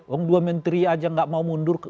orang dua menteri saja enggak mau mundur